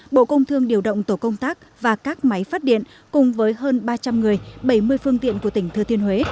bộ công thương điều động tổ công tác và các máy phát điện cùng với hơn ba trăm linh người bảy mươi phương tiện của tỉnh thừa thiên huế